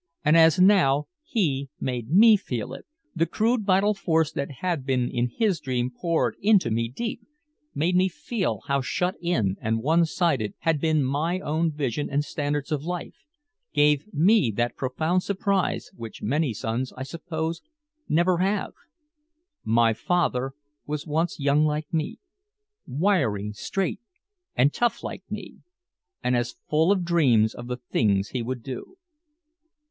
And as now he made me feel it, the crude vital force that had been in his dream poured into me deep, made me feel how shut in and one sided had been my own vision and standards of life, gave me that profound surprise which many sons, I suppose, never have: "My father was once young like me wiry, straight and tough like me, and as full of dreams of the things he would do."